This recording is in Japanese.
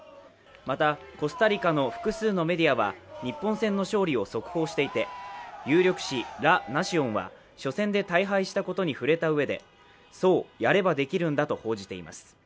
また、コスタリカの複数のメディアは、日本戦の勝利を速報していて、有力紙「ラ・ナシオン」は初戦で大敗したことに触れたうえで「そう、やればできるんだ」と報じています。